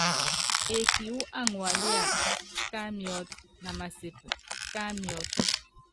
Eeki wú aŋualía, tá miɔ́t, na masɛp, ta miɔ́t.